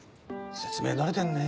説明慣れてんね。